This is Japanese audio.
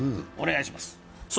お願いします。